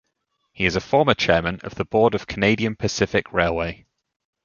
He is a former Chairman of the Board of Canadian Pacific Railway.